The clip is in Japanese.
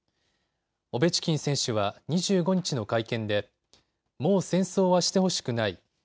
オベチキン選手は２５日の会見でもう戦争はしてほしくない。